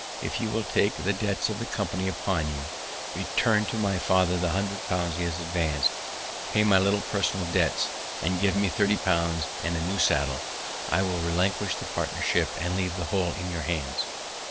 If you will take the debts of the company upon you; return to my father the hundred pounds he has advanced; pay my little personal debts, and give me thirty pounds and a new saddle, I will relinquish the partnership, and leave the whole in your hands."